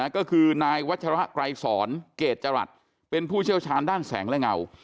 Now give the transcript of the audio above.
ก็คือนายวัชระไกรสอนเกรดจรัสเป็นผู้เชี่ยวชาญด้านแสงและเงา